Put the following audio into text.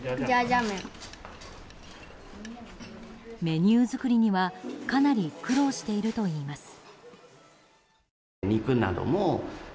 メニュー作りにはかなり苦労しているといいます。